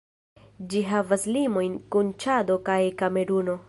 Ĝi havas limojn kun Ĉado kaj Kameruno.